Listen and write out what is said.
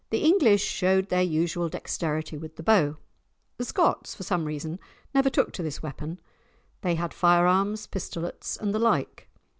The English showed their usual dexterity with the bow. The Scots, for some reason, never took to this weapon; they had fire arms, pistolets, and the like.